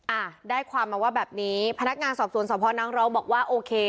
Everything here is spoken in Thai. อ่ะได้ความมาว่าแบบนี้พนักงานสอบสวนสพนังร้องบอกว่าโอเค